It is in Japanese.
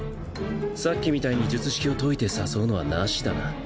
さっきみたいに術式を解いて誘うのはなしだな。